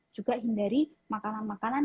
juga hindari makanan makanan